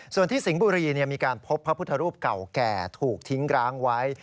ส่วนที่สิงห์บุรีมีการพบพระพุทธรูปเก่าแก่ถูกทิ้งร้างไว้